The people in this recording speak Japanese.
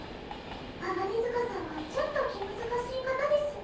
鋼鐵塚さんはちょっと気難しい方ですね。